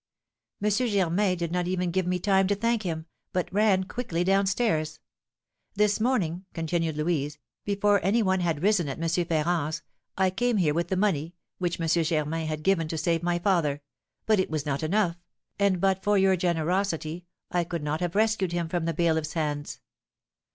"M. Germain did not even give me time to thank him, but ran quickly down stairs. This morning," continued Louise, "before any one had risen at M. Ferrand's, I came here with the money which M. Germain had given me to save my father; but it was not enough, and but for your generosity, I could not have rescued him from the bailiff's hands.